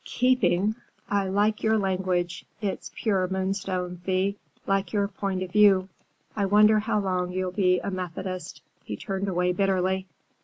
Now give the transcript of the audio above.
"Keeping! I like your language. It's pure Moonstone, Thea,—like your point of view. I wonder how long you'll be a Methodist." He turned away bitterly.